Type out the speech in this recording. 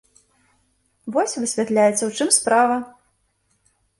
Вось, высвятляецца, у чым справа!